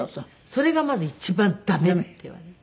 それがまず一番駄目って言われて。